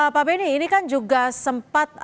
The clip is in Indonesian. pak beni ini kan juga sempat ada